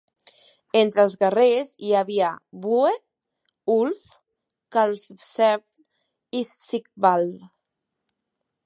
Entre els guerrers hi havia Bue, Ulf, Karlsevne i Sigvald.